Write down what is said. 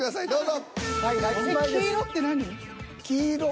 どうぞ。